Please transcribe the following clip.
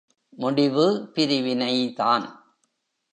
முடிவு பிரிவினை தான்!